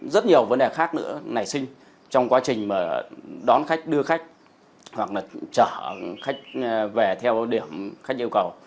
rất nhiều vấn đề khác nữa nảy sinh trong quá trình mà đón khách đưa khách hoặc là chở khách về theo điểm khách yêu cầu